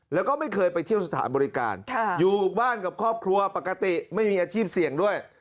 แล้วก็ไม่เคยไปเที่ยวสถานบริการอยู่บ้านกับครอบครัวปกติไม่มีอาชีพเสี่ยงด้วย